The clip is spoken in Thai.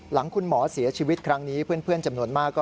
หลังคุณหมอเสียชีวิตครั้งนี้เพื่อนจำนวนมากก็